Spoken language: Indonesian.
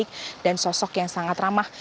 sosok yang baik dan sosok yang sangat ramah